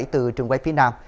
từ trường quay phía nam